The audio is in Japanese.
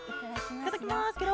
いただきますケロ。